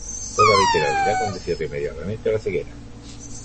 Toda literalidad conduce irremediablemente a la ceguera.